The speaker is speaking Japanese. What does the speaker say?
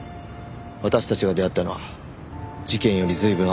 私たちが出会ったのは事件より随分あとの話なので。